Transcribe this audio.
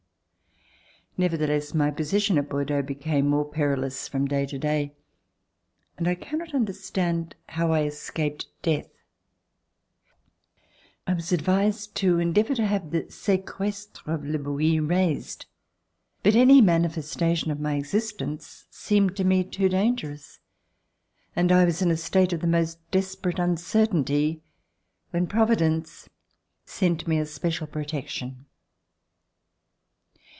Nevertheless, my position at Bordeaux became more perilous from day to day, and I cannot under LIFE AT BORDEAUX stand now how I escaped dcatli. I was advised to endeavor to have the sequesire of Le Bouilh raised, but any manifestation of my existence seemed to me too dangerous, and I was in a state of the most desperate uncertainty when Providence sent me a special protection.